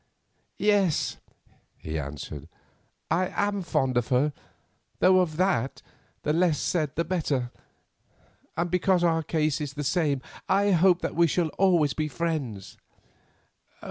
"Yes," he answered, "I am fond of her, though of that the less said the better, and because our case is the same I hope that we shall always be friends."